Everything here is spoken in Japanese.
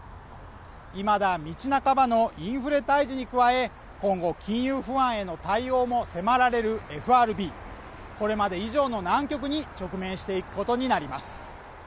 いまだ道半ばのインフレ退治に加え、今後金融不安への対応も迫られるＦＲＢ、これまで以上の難局に直面していくことになります。